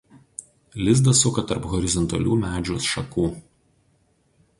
Lizdą suka tarp horizontalių medžių šakų.